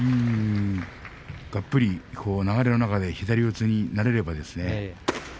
がっぷり、流れの中で左四つになれればですね